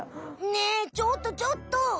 ねえちょっとちょっと。